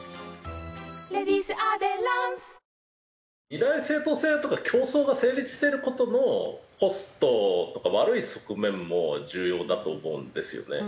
二大政党制とか競争が成立してる事のコストとか悪い側面も重要だと思うんですよね。